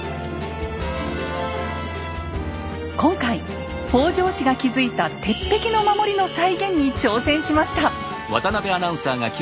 今回北条氏が築いた鉄壁の守りの再現に挑戦しました！